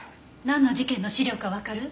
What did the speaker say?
なんの事件の資料かわかる？